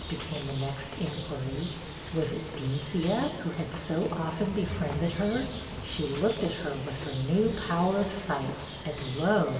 became the next inquiry. Was it Deencia, who had so often befriended her? She looked at her, with her new power of sight and, lo!